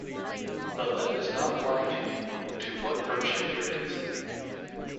But let this not blind you to what virtue there is